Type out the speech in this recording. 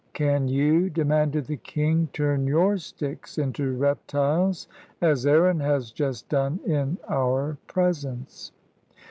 "Can you," demanded the king, "turn your sticks into reptiles, as Aaron has just done in our presence?"